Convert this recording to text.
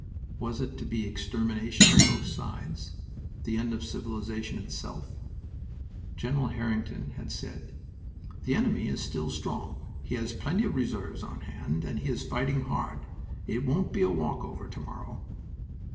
Was it to be extermination on both sides? The end of civilization itself? General Harington had said: "The enemy is still very strong. He has plenty of reserves on hand and he is fighting hard. It won't be a walk over to morrow."